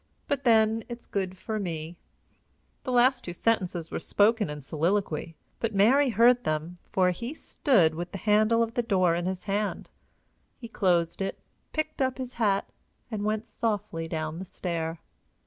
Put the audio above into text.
But, then, it's good for me." The last two sentences were spoken in soliloquy, but Mary heard them, for he stood with the handle of the door in his hand. He closed it, picked up his hat, and went softly down the stair.